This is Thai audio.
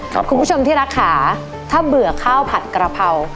คุณผู้ชมที่รักค่ะถ้าเบื่อข้าวผัดกระเพรา